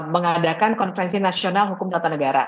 mengadakan konferensi nasional hukum tata negara